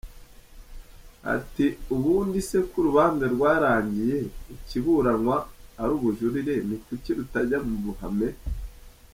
Ati ubundi se ko urubanza rwarangiye ikiburanwa ari ubujurire ni kuki rutajya mu ruhame.?